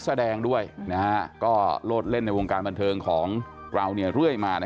แสดงด้วยก็โลดเล่นในวงการบันเทิงของเราเรื่อยมา